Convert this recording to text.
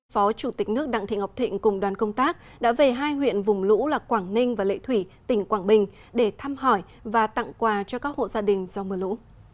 phó chủ tịch nước đặng thị ngọc thịnh cùng đoàn công tác đã về hai huyện vùng lũ là quảng ninh và lệ thủy tỉnh quảng bình để thăm hỏi và tặng quà cho các hộ gia đình do mưa lũ